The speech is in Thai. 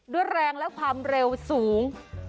ด้วยแรงและความเร็วสูง